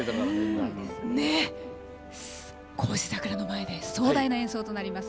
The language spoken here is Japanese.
孝子桜の前で壮大な演奏となります。